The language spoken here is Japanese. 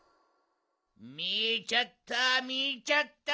みちゃったみちゃった！